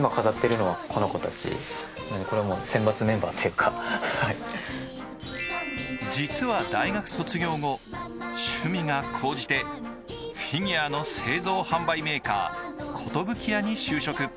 中でも愛情を注いでいるのが実は大学卒業後、趣味が高じてフィギュアの製造・販売メーカー、コトブキヤに就職。